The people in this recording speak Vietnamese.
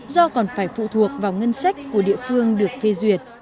do còn phải phụ thuộc vào ngân sách của địa phương được phê duyệt